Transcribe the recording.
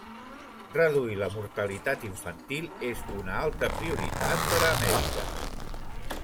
Reduir la mortalitat infantil és una alta prioritat per a Amèrica.